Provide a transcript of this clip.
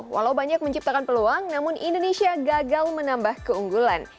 walau banyak menciptakan peluang namun indonesia gagal menambah keunggulan